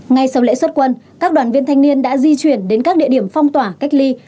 ngay sau lễ xuất quân các đoàn viên thanh niên đã di chuyển đến các địa điểm phong tỏa cách ly